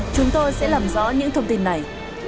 chúng tôi sẽ làm rõ những thông tin này